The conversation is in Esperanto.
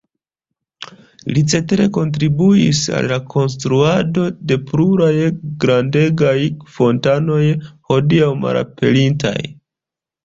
Li cetere kontribuis al la konstruado de pluraj grandegaj fontanoj, hodiaŭ malaperintaj.